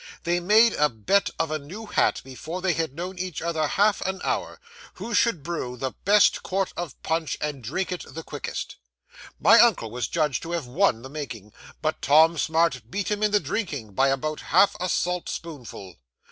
They made a bet of a new hat before they had known each other half an hour, who should brew the best quart of punch and drink it the quickest. My uncle was judged to have won the making, but Tom Smart beat him in the drinking by about half a salt spoonful.